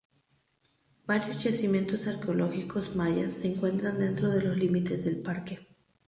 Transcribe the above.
Varios yacimientos arqueológicos mayas se encuentran dentro de los límites del parque.